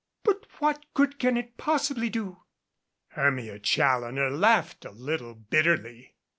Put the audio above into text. "But what good can it possibly do ?" Hermia Challoner laughed a little bitterly.